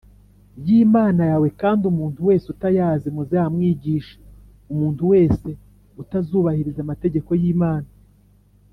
y Imana yawe kandi umuntu wese utayazi muzayamwigishe Umuntu wese utazubahiriza amategeko y Imana